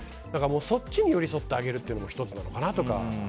そっちに寄り添ってあげるというのも１つなのかなとか。